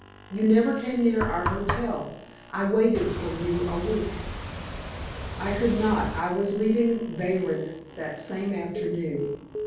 "You never came near our hotel. I waited for you a week." "I could not; I was leaving Baeren that same afternoon."